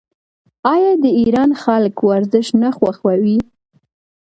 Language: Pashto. آیا د ایران خلک ورزش نه خوښوي؟